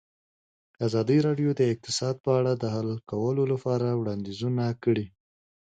ازادي راډیو د اقتصاد په اړه د حل کولو لپاره وړاندیزونه کړي.